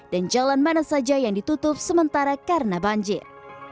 dan jalan mana saja yang ditutup sementara karena banjir